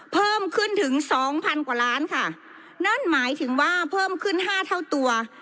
เพิ่มขึ้นถึงสองพันกว่าล้านค่ะนั่นหมายถึงว่าเพิ่มขึ้นห้าเท่าตัว